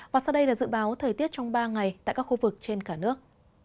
và sau đây là dự báo thời tiết trong ba ngày tại các khu vực trên cả nước